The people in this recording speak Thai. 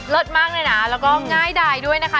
เลิศมากเลยนะแล้วก็ง่ายใดด้วยนะคะ